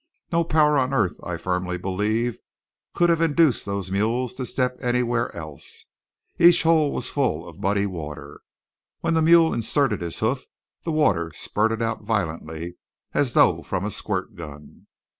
No power on earth, I firmly believe, could have induced those mules to step anywhere else. Each hole was full of muddy water. When the mule inserted his hoof the water spurted out violently, as though from a squirt gun.